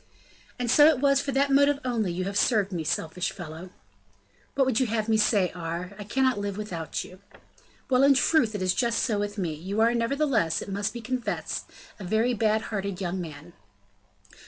"And so it was for that motive only you have served me; selfish fellow!" "What would you have me say, Aure? I cannot live without you." "Well! in truth, it is just so with me; you are, nevertheless, it must be confessed, a very bad hearted young man."